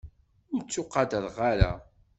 Ur ttuqadreɣ ara.